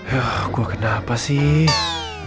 yah gue kenapa sih